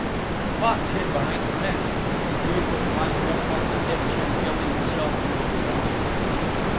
The Fox hid behind the fence, the Weasel climbed up on the ditch and Gilly himself went to the woman.